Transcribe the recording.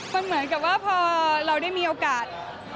มันเหมือนกับว่าพอเราได้มีโอกาส